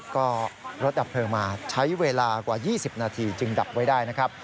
ก็รถดับเพลิงมาใช้เวลากว่า๒๐นาทีจึงดับไว้ได้นะครับ